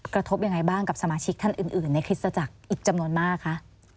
กระทบยังไงบ้างกับสมาชิกท่านอื่นในคริสตจักรอีกจำนวนมากคะ